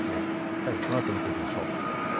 さらにこのあとを見ていきましょう。